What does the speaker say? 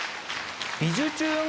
「びじゅチューン！